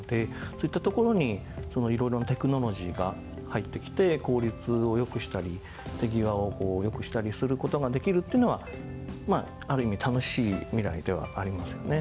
そういったところにいろいろなテクノロジーが入ってきて効率を良くしたり手際を良くしたりする事ができるっていうのはまあある意味楽しい未来ではありますよね。